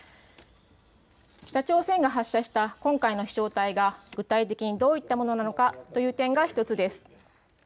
北朝鮮が発射した今回の飛しょう体が具体的にどういったものなのかという点が１つです。